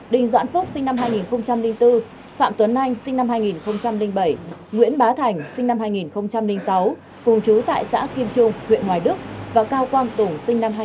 đình doãn phúc sinh năm hai nghìn bốn phạm tuấn anh sinh năm hai nghìn bảy nguyễn bá thành sinh năm hai nghìn sáu cùng chú tại xã kim trung huyện hoài đức và cao quang tùng sinh năm hai nghìn một mươi